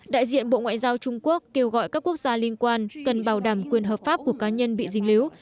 đại diện bộ ngoại giao trung quốc kêu gọi các quốc gia liên quan cần bảo đảm quyền hợp pháp của cá nhân bị dình líu